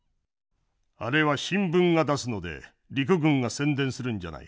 あれは新聞が出すので陸軍が宣伝するんじゃない。